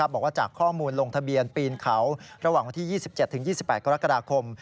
บอกว่าจากข้อมูลลงทะเบียนปีนเขาระหว่างวันที่๒๗๒๘กรกฎาคม